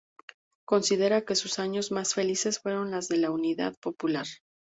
Considera que sus años más felices fueron los de la Unidad Popular.